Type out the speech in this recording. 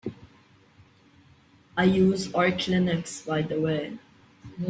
I use Arch Linux by the way.